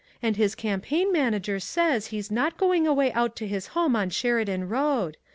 And his campaign manager says he's not going away out to his home on Sheridan Road.